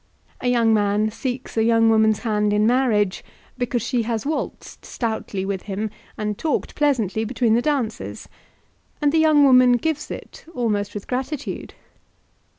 A young man seeks a young woman's hand in marriage, because she has waltzed stoutly with him, and talked pleasantly between the dances; and the young woman gives it, almost with gratitude.